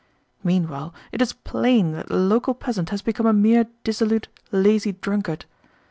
Meanwhile it is plain that the local peasant has become a mere dissolute, lazy drunkard.